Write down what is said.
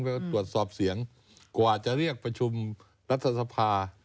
ตรวจสอบเสียงกว่าจะเรียกประชุมรัฐสภา